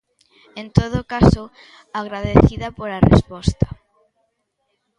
En todo caso, agradecida pola resposta.